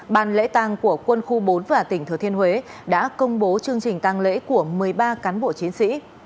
ban lễ tàng của quân khu bốn và tỉnh thừa thiên huế đã công bố chương trình tăng lễ của một mươi ba cán bộ chiến sĩ